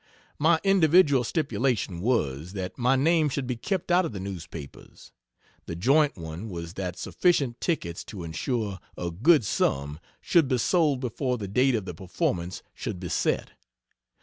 My individual stipulation was, that my name should be kept out of the newspapers. The joint one was that sufficient tickets to insure a good sum should be sold before the date of the performance should be set.